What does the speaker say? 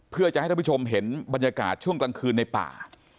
เพื่อจะให้ท่านผู้ชมเห็นบรรยากาศช่วงกลางคืนในป่า